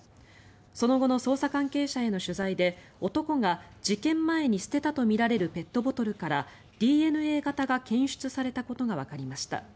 その後の捜査関係者への取材で男が事件前に捨てたとみられるペットボトルからＤＮＡ型が検出されたことがわかりました。